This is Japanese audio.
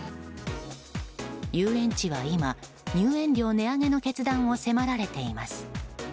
遊園地は今、入園料値上げの決断を迫られています。